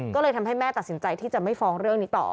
ก็เลยทำให้แม่ตัดสินใจที่จะไม่ฟ้องเรื่องนี้ต่อ